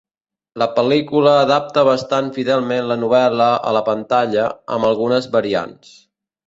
La pel·lícula adapta bastant fidelment la novel·la a la pantalla, amb algunes variants.